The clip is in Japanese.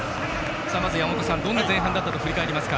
まず山本さんどんな前半だったと振り返りますか？